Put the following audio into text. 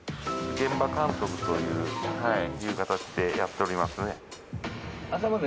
現場監督という形でやっておりますね。